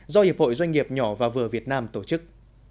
do hiệp hội doanh nghiệp nhỏ và vừa việt nam tổ chức